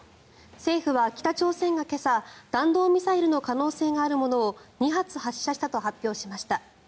政府は北朝鮮が今朝弾道ミサイルの可能性のあるものを２発発射したと発表しました。